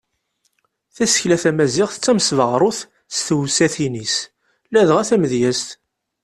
Tasekla tamaziɣt d tamesbeɣrut s tewsatin-is ladɣa tamedyazt.